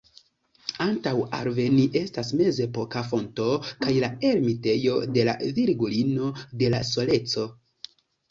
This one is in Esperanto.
Antaŭ alveni, estas mezepoka fonto kaj la ermitejo de la Virgulino de la Soleco.